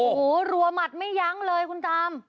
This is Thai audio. โอ้โหรัวหมัดไม่ยั้งเลยคุณตาม